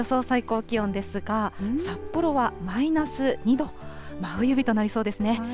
最高気温ですが、札幌はマイナス２度、真冬日となりそうですね。